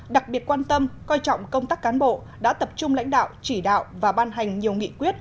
đặc biệt quan tâm coi trọng công tác cán bộ đã tập trung lãnh đạo chỉ đạo và ban hành nhiều nghị quyết